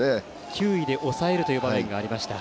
球威で抑えるという場面がありました。